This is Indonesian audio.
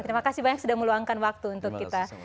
terima kasih banyak sudah meluangkan waktu untuk kita